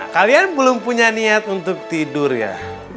kalian belum punya niat untuk tidur ya